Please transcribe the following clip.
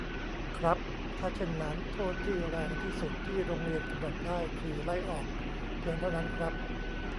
ครับ ถ้าเช่นนั้น โทษที่แรงที่สุด ที่โรงเรียนกำหนดได้ คือ ไล่ออก เพียงเท่านั้นครับ